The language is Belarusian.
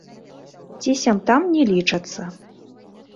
Ці сям-там не лічацца.